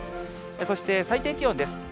そして、最低気温です。